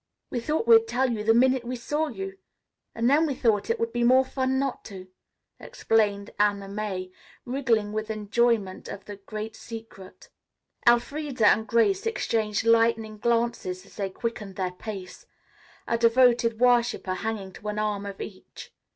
"We thought we'd tell you the minute we saw you, and then we thought it would be more fun not to," explained Anna May wriggling with enjoyment of the great secret. Elfreda and Grace exchanged lightning glances as they quickened their pace, a devoted worshipper hanging to an arm of each.